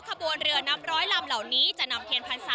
กระบวนเรือนำสามลำเหล่านี้